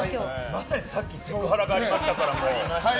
まさにさっきセクハラがありましたから。